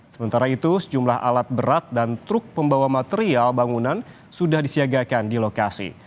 sementara itu sejumlah alat berat dan truk pembawa material bangunan sudah disiagakan di lokasi